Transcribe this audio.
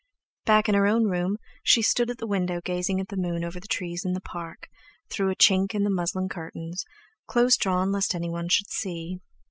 Back in her own room, she stood at the window gazing at the moon over the trees in the Park, through a chink in the muslin curtains, close drawn lest anyone should see.